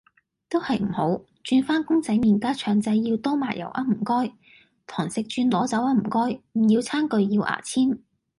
都係唔好，轉返公仔麵加腸仔要多麻油呀唔該，堂食轉攞走呀唔該，唔要餐具要牙籤